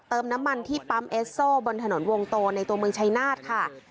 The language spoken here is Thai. น้ำมันที่ปั๊มเอสโซบนถนนวงโตในตัวเมืองชายนาฏค่ะ